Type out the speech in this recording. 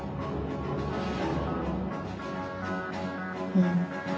うん。